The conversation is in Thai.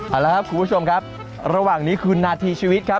เอาละครับคุณผู้ชมครับระหว่างนี้คือนาทีชีวิตครับ